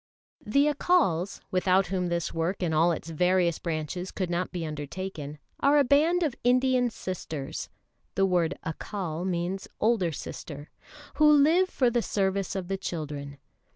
] THE Accals, without whom this work in all its various branches could not be undertaken, are a band of Indian sisters (the word Accal means older sister) who live for the service of the children.